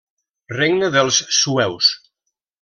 Regne dels sueus.